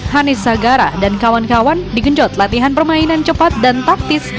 hanis sagara dan kawan kawan digenjot latihan permainan cepat dan taktis